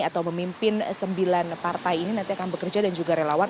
atau memimpin sembilan partai ini nanti akan bekerja dan juga relawan